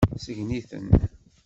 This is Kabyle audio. Sgen-iten.